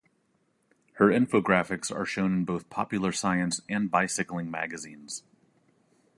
Her infographics are shown in both Popular Science and Bicycling magazines.